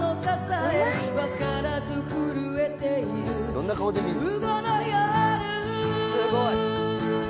どんな顔で見んの？